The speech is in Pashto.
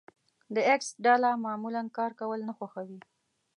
د ايکس ډله معمولا کار کول نه خوښوي.